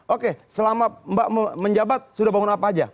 oke selama mbak menjabat sudah bangun apa aja